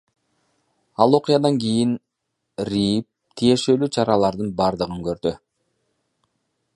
Ал окуядан кийин РИИБ тиешелүү чаралардын бардыгын көрдү.